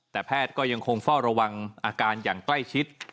แต่แพทย์ก็ยังคงเฝ้าระวังอาการอย่างใกล้ชิด